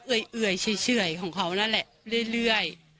เอื่อยเฉยของเขานั่นแหละเรื่อย